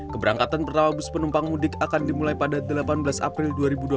keberangkatan pertama bus penumpang mudik akan dimulai pada delapan belas april dua ribu dua puluh tiga